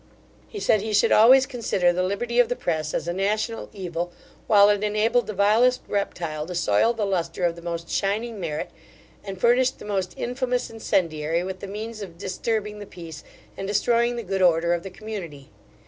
He said, he should always consider the liberty of the press as a national evil, while it enabled the vilest reptile to soil the lustre of the most shining merit, and furnished the most infamous incendiary with the means of disturbing the peace and destroying the good order of the community.